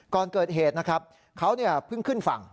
ก่อนเกิดเหตุนะครับเขาเพิ่งขึ้นฝั่ง